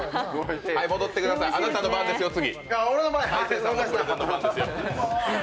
戻ってください、あなたの番ですよ、次。